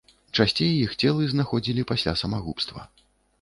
Часцей іх целы знаходзілі пасля самагубства.